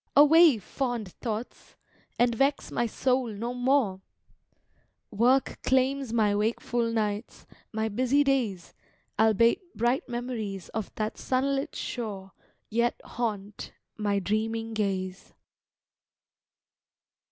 Away, fond thoughts, and vex my soul no more! Work claims my wakeful nights, my busy days Albeit bright memories of that sunlit shore Yet haunt my dreaming gaze!